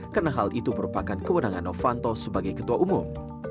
karena hal itu merupakan kewenangan novanto sebagai ketua umum